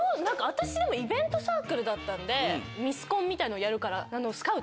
私でもイベントサークルだったんでミスコンみたいのをやるから。